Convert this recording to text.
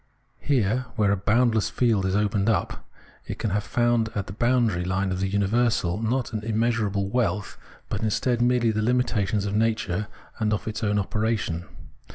Here, where a boundless field is opened up, it can have found at the boundary line of the universal, not an immeasurable wealth, but instead, merely the limitations of nature and of its own operation.